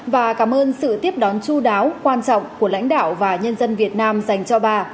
và cảm ơn sự tiếp đón chú đáo quan trọng của lãnh đạo và nhân dân việt nam dành cho bà